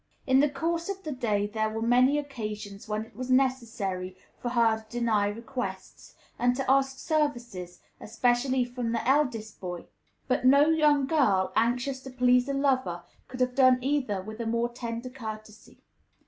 In the course of the day there were many occasions when it was necessary for her to deny requests, and to ask services, especially from the eldest boy; but no young girl, anxious to please a lover, could have done either with a more tender courtesy.